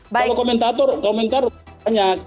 kalau komentator komentar banyak